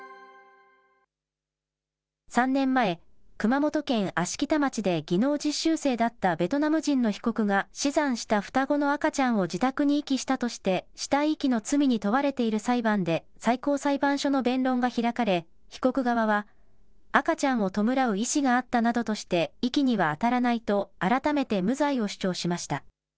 ３年前、熊本県芦北町で技能実習生だったベトナム人の被告が死産した双子の赤ちゃんを自宅に遺棄したとして、死体遺棄の罪に問われている裁判で、最高裁判所の弁論が開かれ、被告側は赤ちゃんを弔う意思があったなどとして、遺棄には当たらないと、改めて無罪を主張しました。